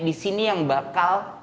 di sini yang bakal